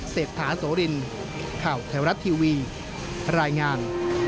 เศรษฐาโสรินข่าวไทยรัฐทีวีรายงาน